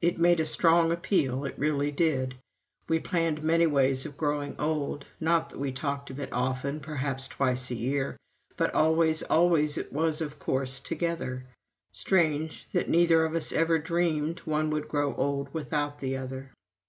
It made a strong appeal, it really did. We planned many ways of growing old not that we talked of it often, perhaps twice a year, but always, always it was, of course, together. Strange, that neither of us ever dreamed one would grow old without the other.